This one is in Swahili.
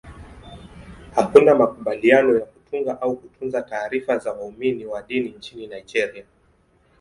Hakuna makubaliano ya kutunga au kutunza taarifa za waumini wa dini nchini Nigeria.